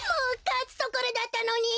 かつところだったのに！